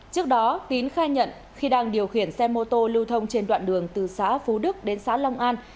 trước đó tín khai nhận khi đang điều khiển xe mô tô lưu thông trên đoạn đường từ xã phú đức đến xã long an